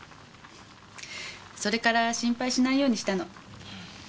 それから心配しないようにしたの。